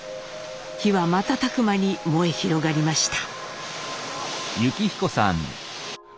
火は瞬く間に燃え広がりました。